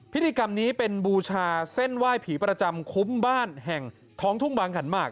พิธีกรรมนี้เป็นบูชาเส้นไหว้ผีประจำคุ้มบ้านแห่งท้องทุ่งบางขันหมาก